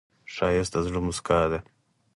ښایست د زړه موسکا ده